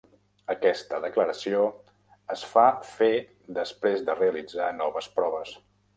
Aquesta declaració es fa fer després de realitzar noves proves.